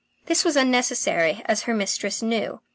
This was unnecessary, as her mistress knew.